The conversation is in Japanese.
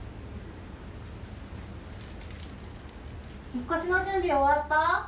引っ越しの準備終わった？